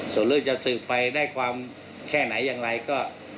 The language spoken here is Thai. ส่วนเรื่องจะสืบไปได้ความแค่ไหนอย่างไรก็